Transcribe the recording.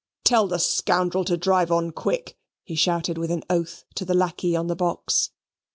"Tell the scoundrel to drive on quick," he shouted with an oath, to the lackey on the box.